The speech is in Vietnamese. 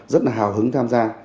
rất là hào hứng tham gia